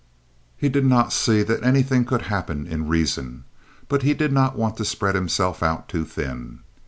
He did not see that anything could happen in reason; but he did not want to spread himself out too thin.